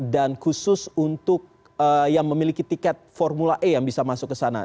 dan khusus untuk yang memiliki tiket formula e yang bisa masuk ke sana